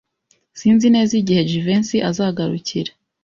Sinzi neza igihe Jivency azagarukira.